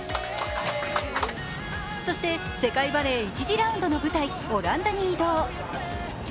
そして、世界バレー１次ラウンドの舞台、オランダに移動。